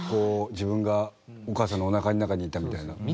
自分がお母さんのおなかの中にいたみたいな。